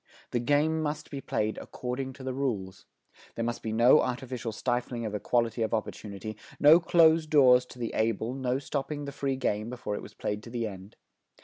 The game must be played according to the rules. There must be no artificial stifling of equality of opportunity, no closed doors to the able, no stopping the free game before it was played to the end.